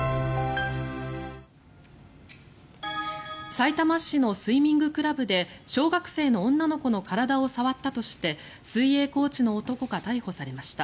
さいたま市のスイミングクラブで小学生の女の子の体を触ったとして水泳コーチの男が逮捕されました。